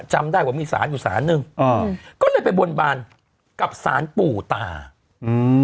จำได้ว่ามีสารอยู่สารหนึ่งอ่าก็เลยไปบนบานกับสารปู่ตาอืม